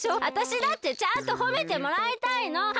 あたしだってちゃんとほめてもらいたいの！